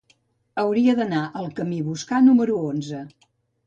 Hauria d'anar al camí Boscà número onze.